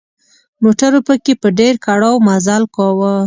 موټرو پکې په ډېر کړاو مزل کاوه.